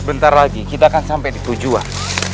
sebentar lagi kita akan sampai di tujuan